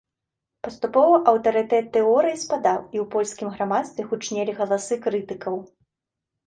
Паступова аўтарытэт тэорыі спадаў, і ў польскім грамадстве гучнелі галасы крытыкаў.